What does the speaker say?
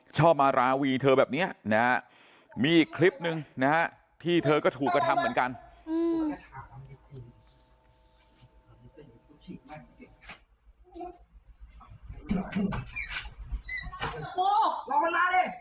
ชอบมาราวีเธอแบบนี้นะฮะมีอีกคลิปหนึ่งนะฮะที่เธอก็ถูกกระทำเหมือนกัน